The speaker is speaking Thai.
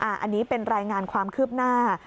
อันนี้เป็นรายงานความคืบหน้า